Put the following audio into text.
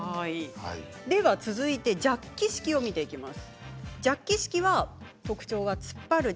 では続いてジャッキ式を見ていきます。